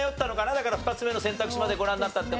だから２つ目の選択肢までご覧になったって事は。